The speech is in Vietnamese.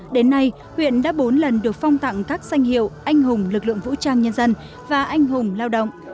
đến nay huyện đã bốn lần được phong tặng các danh hiệu anh hùng lực lượng vũ trang nhân dân và anh hùng lao động